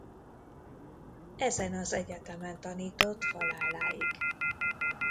Ezen az egyetemen tanított haláláig.